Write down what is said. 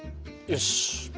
よし。